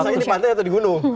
maksudnya di pantai atau di gunung